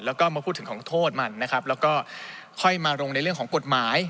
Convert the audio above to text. แล้วก็มาพูดถึงของโทษมันนะครับแล้วก็ค่อยมาลงในเรื่องของกฎหมาย